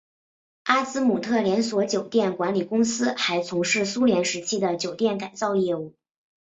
阿兹姆特连锁酒店管理公司还从事苏联时期的酒店改造业务。